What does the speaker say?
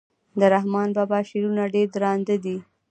د رحمان بابا شعرونه ډير درانده دي.